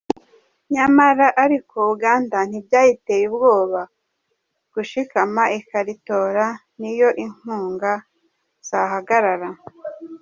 Nyamara ariko Uganda ntibyayiteye ubwoba gushikama ikaritora n’iyo inkunga zahagarara.